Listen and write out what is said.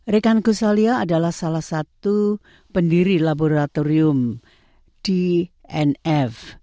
rekan ghazalia adalah salah satu pendiri laboratorium dnf